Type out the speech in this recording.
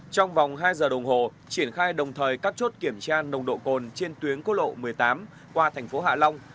trong vòng hai giờ đồng hồ triển khai đồng thời các chốt kiểm tra nồng độ cồn trên tuyến cô lộ một mươi tám qua thành phố hạ long